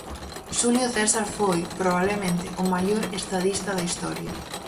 Xulio César foi, probablemente, o maior estadista da historia.